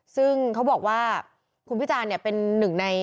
ซึ่งเขาบอกว่าคุณพิจารณ์เนี่ยเป็นหนึ่งใน